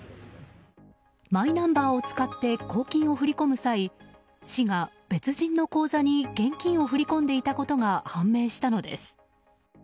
マイナンバーを使って公金を振り込む際市が別人の口座に現金を振り込んでいたことが判明したのです。